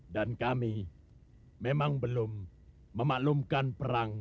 dan kami memang belum memaklumkan perang